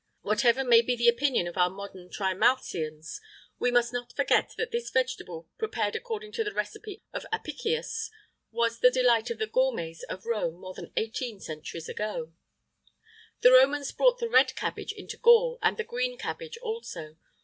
Whatever may be the opinion of our modern Trimalcions, we must not forget that this vegetable, prepared according to the recipe of Apicius, was the delight of the gourmets of Rome more than eighteen centuries ago. The Romans brought the red cabbage into Gaul, and the green cabbage also.